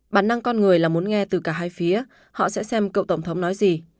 bản năng con người là muốn nghe từ cả hai phía họ sẽ xem cựu tổng thống nói gì